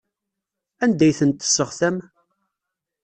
Anda ay ten-tesseɣtam?